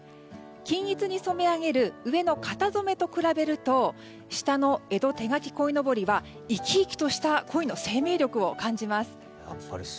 均一に染め上げる上の型染めと比べると下の江戸手描きこいのぼりは生き生きとしたコイの生命力を感じます。